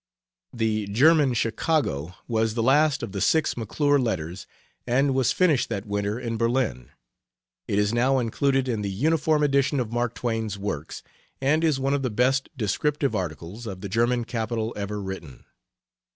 "The German Chicago" was the last of the six McClure letters and was finished that winter in Berlin. It is now included in the Uniform Edition of Mark Twain's works, and is one of the best descriptive articles of the German capital ever written.